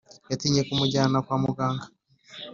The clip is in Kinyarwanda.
yatinye kumujyana kwa muganga,